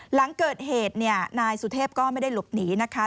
หลังเกิดเหตุเนี่ยนายสุเทพก็ไม่ได้หลบหนีนะคะ